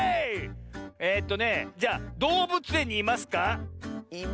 えとねじゃあどうぶつえんにいますか？